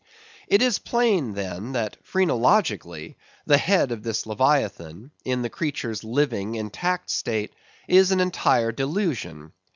It is plain, then, that phrenologically the head of this Leviathan, in the creature's living intact state, is an entire delusion.